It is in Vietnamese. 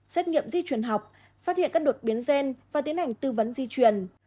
xét nghiệm di truyền học phát hiện các đột biến gen và tiến hành tư vấn di chuyển